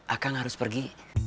akang harus pergi